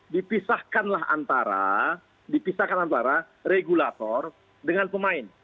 dipisahkanlah antara regulator dengan pemain